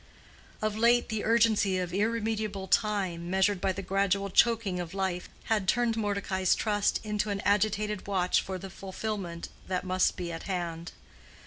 Of late the urgency of irremediable time, measured by the gradual choking of life, had turned Mordecai's trust into an agitated watch for the fulfillment that must be at hand.